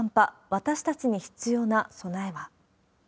私たちに必要な備えは。